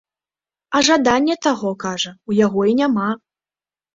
А жаданне таго, кажа, у яго і няма.